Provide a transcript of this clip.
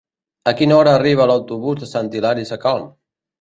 A quina hora arriba l'autobús de Sant Hilari Sacalm?